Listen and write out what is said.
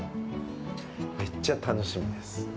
めっちゃ楽しみです。